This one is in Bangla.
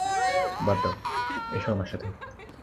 বাদ দাও, এসো আমার সাথে।